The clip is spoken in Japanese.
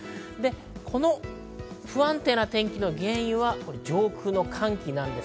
この不安定な天気の原因は上空の寒気なんです。